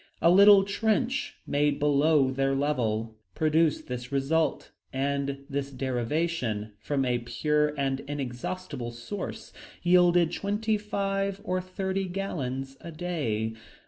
A little trench, made below their level, produced this result; and this derivation from a pure and inexhaustible source yielded twenty five or thirty gallons a day.